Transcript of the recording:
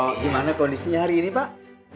bagaimana kondisinya hari ini pak